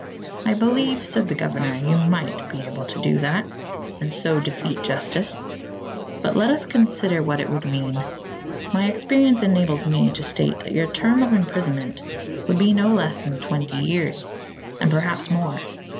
"I believe," said the governor, "you might be able to do that, and so defeat justice. But let us consider what it would mean. My experience enables me to state that your term of imprisonment would be no less than twenty years, and perhaps more.